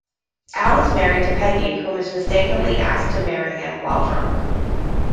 Al is married to Peggy, whom he mistakenly asked to marry him while drunk.